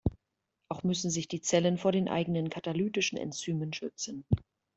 Auch müssen sich die Zellen vor den eigenen katalytischen Enzymen schützen.